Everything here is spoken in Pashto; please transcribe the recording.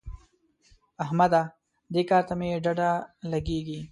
احمده! دې کار ته مې ډډه لګېږي.